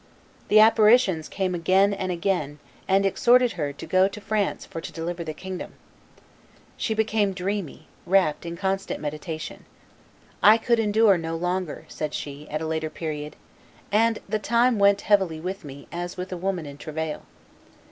The apparitions came again and again, and exhorted her "to go to France for to deliver the kingdom." She became dreamy, rapt in constant meditation. "I could endure no longer," said she, at a later period, "and the time went heavily with me as with a woman in travail."